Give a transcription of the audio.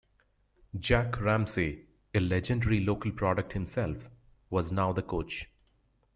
Jack Ramsay, a legendary local product himself, was now the coach.